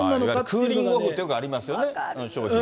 クーリングオフという制度ありますよね。